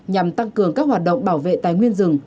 nhằm tăng cường các hoạt động bảo vệ tài nguyên rừng